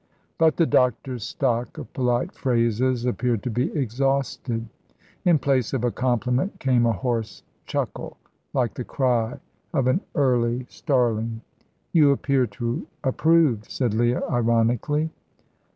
But the doctor's stock of polite phrases appeared to be exhausted. In place of a compliment came a hoarse chuckle, like the cry of an early starling. "You appear to approve," said Leah, ironically.